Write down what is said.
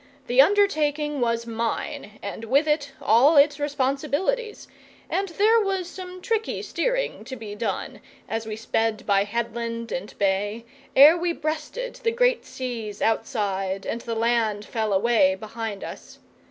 The undertaking was mine, and with it all its responsibilities, and there was some tricky steering to be done as we sped by headland and bay, ere we breasted the great seas outside and the land fell away behind us.